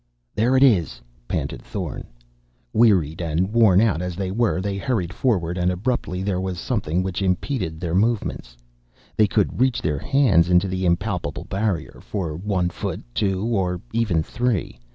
"There it is!" panted Thorn. Wearied and worn out as they were, they hurried forward, and abruptly there was something which impeded their movements. They could reach their hands into the impalpable barrier. For one foot, two, or even three.